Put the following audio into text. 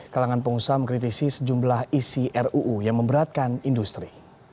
kalangan pengusaha mengkritisi sejumlah isi ruu yang memberatkan industri